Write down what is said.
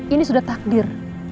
ini sudah takdir